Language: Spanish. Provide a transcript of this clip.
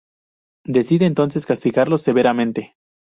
Decide entonces castigarlos severamente.